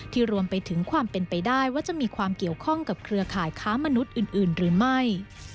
รวมไปถึงความเป็นไปได้ว่าจะมีความเกี่ยวข้องกับเครือข่ายค้ามนุษย์อื่นหรือไม่